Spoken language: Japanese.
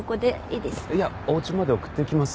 いやお家まで送っていきます。